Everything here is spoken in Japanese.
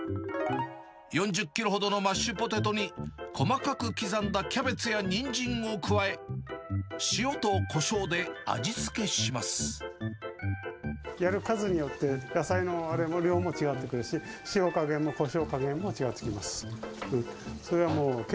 ４０キロほどのマッシュポテトに、細かく刻んだキャベツやニンジンを加え、やる数によって、野菜のあれも、量も違ってくるし、塩加減もコショウ加減も違ってきます。